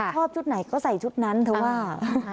ชอบชุดไหนก็ใส่ชุดนั้นเธอว่า